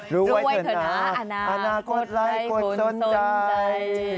รู้ไว้เถอะนะอนาคตให้คนสนใจ